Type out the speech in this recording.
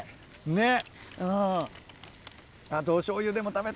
ねっ。